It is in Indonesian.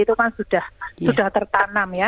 itu kan sudah tertanam ya